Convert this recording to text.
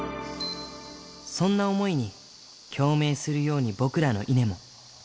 そんな想いに共鳴するように僕らの稲も。